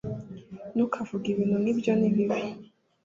ntukavuge ibintu nkibyo nibibi